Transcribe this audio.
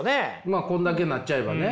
まあこんだけなっちゃえばね。